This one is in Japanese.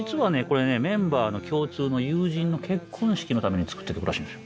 これねメンバーの共通の友人の結婚式のために作った曲らしいんですよ。